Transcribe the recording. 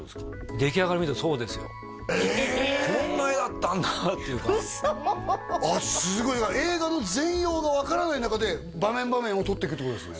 出来上がり見るとそうですよこんな映画だったんだっていうウソあっすごい映画の全容の分からない中で場面場面を撮っていくってことですね